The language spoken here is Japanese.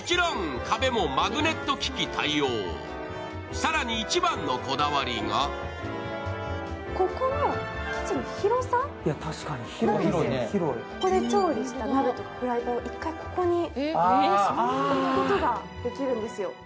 更に一番のこだわりがこれ調理した鍋とかフライパンを一度ここに置くことができるんですよ。